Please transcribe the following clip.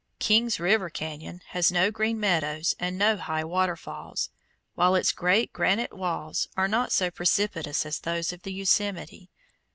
King's River Cañon has no green meadows and no high waterfalls, while its great granite walls are not so precipitous as those of the Yosemite.